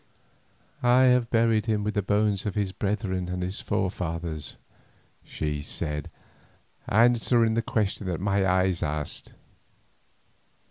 "I have buried him with the bones of his brethren and his forefathers," she said, answering the question that my eyes asked.